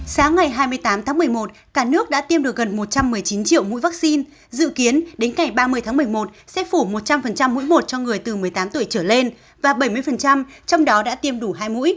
sáng ngày hai mươi tám tháng một mươi một cả nước đã tiêm được gần một trăm một mươi chín triệu mũi vaccine dự kiến đến ngày ba mươi tháng một mươi một sẽ phủ một trăm linh mũi một cho người từ một mươi tám tuổi trở lên và bảy mươi trong đó đã tiêm đủ hai mũi